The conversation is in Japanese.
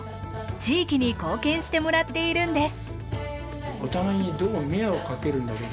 地域に貢献してもらっているんです。